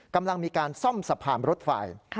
กำลังมีการซ่อมสะพานรถไฟ